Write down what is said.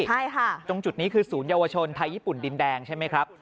ตรงจุดนี้คือศูนย์เยาวชนไทยญี่ปุ่นดินแดงใช่ไหมครับ